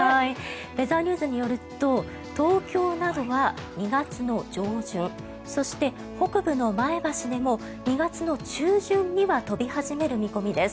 ウェザーニュースによると東京などは２月の上旬そして北部の前橋でも２月の中旬には飛び始める見込みです。